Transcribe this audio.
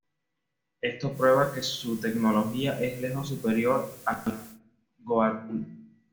Esto prueba que su tecnología es lejos superior a la Goa'uld.